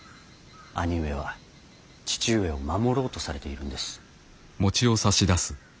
兄上は父上を守ろうとされているんです。